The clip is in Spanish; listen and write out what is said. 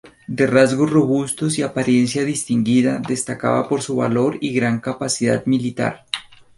De rasgos robustos y apariencia distinguida, destacaba por su valor y gran capacidad militar.